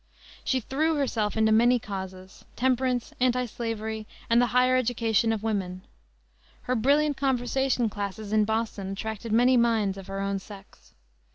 She threw herself into many causes temperance, antislavery, and the higher education of women. Her brilliant conversation classes in Boston attracted many "minds" of her own sex.